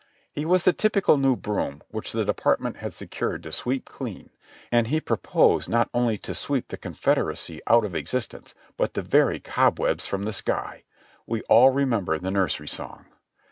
He was the typical new broom which the De partment had secured to sweep clean, and he proposed not only to sweep the Confederacy out of existence, but the very "cob webs from the sky." We all remember the nursery song.